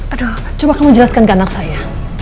aduh coba kamu jelaskan ke anak saya